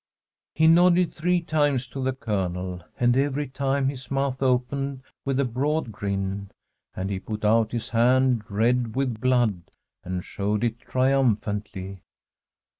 He nodded three times to the Colonel, and every time his mouth opened with a broad grin ; and he put out his hand, red with blood, and showed it triumphantly.